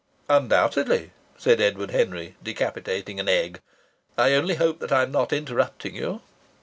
"Undoubtedly," said Edward Henry, decapitating an egg. "I only hope that I'm not interrupting you."